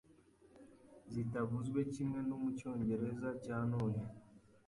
zitavuzwe kimwe no mucyongereza cya none